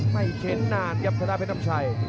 ไม่เค้นนานครับถ้าได้เพศน้ำชัย